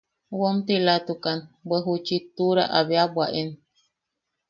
Womtilatukan bwe ju chiktura abe a bwaen.